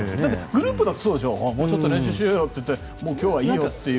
グループだってそうでしょちょっと練習しようよと言ってもう今日はいいよっていう。